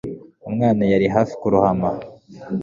Umwana yari hafi kurohama